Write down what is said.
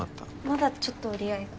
まだちょっと折り合いが。